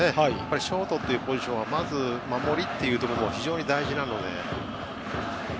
ショートというポジションはまず守りというところが非常に大事なので。